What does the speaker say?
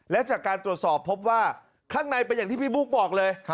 และจากการตรวจสอบพบว่าข้างในเป็นอย่างที่พี่บุ๊กบอกเลย